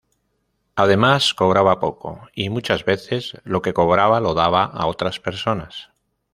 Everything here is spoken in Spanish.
Además cobraba poco y, muchas veces, lo que cobraba lo daba a otras personas.